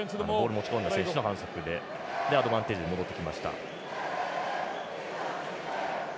持ち込んだ選手の反則でアドバンテージで戻ってきました。